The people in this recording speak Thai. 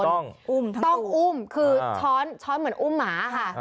ต้องอุ้มคือช้อนช้อนเหมือนอุ้มหมาค่ะ